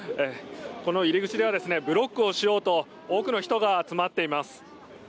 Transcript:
この入り口ではブロックをしようと多くの人が集まっています。